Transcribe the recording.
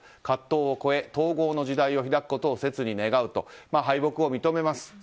葛藤を超え統合の時代を開くことを切に願うと、敗北を認めます。